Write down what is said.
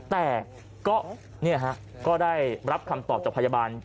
แต่ก็ได้รับคำตอบจากพยาบาล